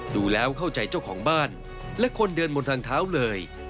ดูแล้วเข้าใจเจ้าของบ้านและคนเดินบนทางเท้าเลย